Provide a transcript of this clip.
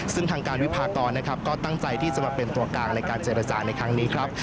ซึ่งทางการวิพากรนะครับก็ตั้งใจที่จะมาเป็นตัวกลางในการเจรจาในครั้งนี้ครับ